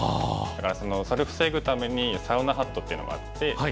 だからそれを防ぐためにサウナハットっていうのがあって。